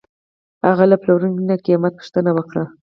هغه له پلورونکي نه قیمت پوښتنه وکړه.